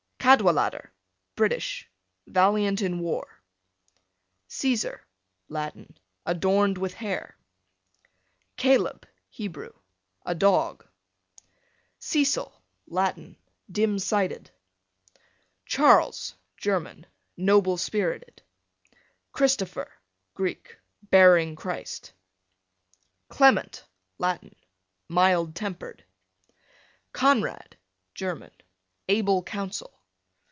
C Cadwallader, British, valiant in war. Caesar, Latin, adorned with hair. Caleb, Hebrew, a dog. Cecil, Latin, dim sighted. Charles, German, noble spirited. Christopher, Greek, bearing Christ. Clement, Latin, mild tempered. Conrad, German, able counsel.